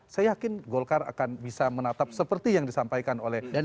saya yakin golkar akan bisa menatap seperti yang disampaikan oleh